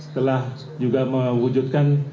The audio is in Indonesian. telah juga mewujudkan